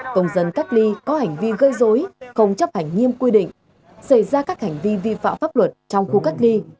công dân cách ly có hành vi gây dối không chấp hành nghiêm quy định xảy ra các hành vi vi phạm pháp luật trong khu cách ly